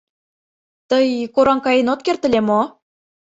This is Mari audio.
Тый кораҥ каен от керт ыле мо?